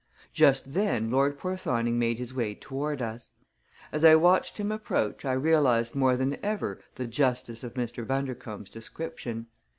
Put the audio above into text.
Just then Lord Porthoning made his way toward us. As I watched him approach I realized more than ever the justice of Mr. Bundercombe's description.